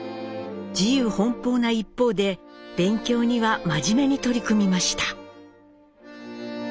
自由奔放な一方で勉強には真面目に取り組みました。